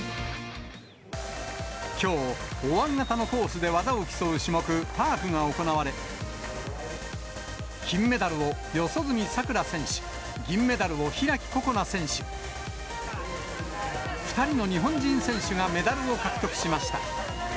きょう、おわん型のコースで技を競う種目、パークが行われ、金メダルを四十住さくら選手、銀メダルを開心那選手、２人の日本人選手がメダルを獲得しました。